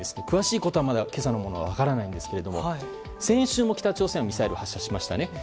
詳しいことは今朝のものはまだ分からないんですけども先週も北朝鮮はミサイルを発射しましたね。